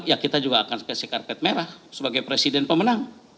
ya kita juga akan kasih karpet merah sebagai presiden pemenang